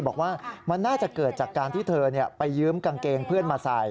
บอกว่ามันน่าจะเกิดจากการที่เธอไปยืมกางเกงเพื่อนมาใส่